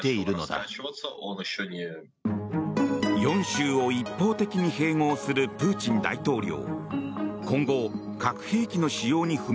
４州を一方的に併合するプーチン大統領。